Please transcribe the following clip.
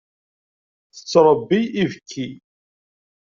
Tettṛebbi ibekki.